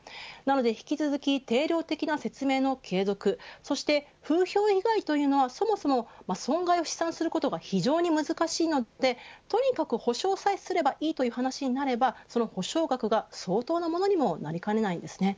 引き続き定量的な説明の継続そして風評被害というのは、そもそも損害を試算することが非常に難しいのでとにかく補償さえすればいいという話になればその補償額が相当なものにもなりかねません。